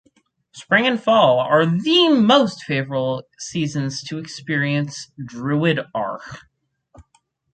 Spring and fall are the most favorable seasons to experience Druid Arch.